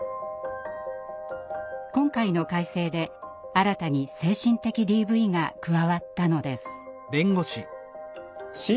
今回の改正で新たに精神的ＤＶが加わったのです。